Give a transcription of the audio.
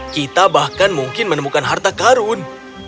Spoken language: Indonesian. kita bahkan mungkin menemukan harta karun